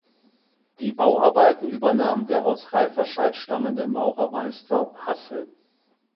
Die Bauarbeiten übernahm der aus Reifferscheid stammende Maurermeister Hassel.